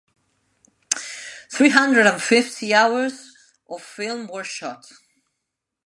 Three hundred and fifty hours of film were shot.